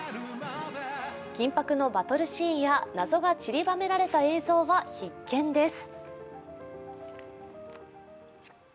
緊迫のバトルシーンや謎がちりばめられた映像は必見です。